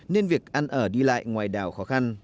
nên việc ăn ở đi lại ngoài đảo khó khăn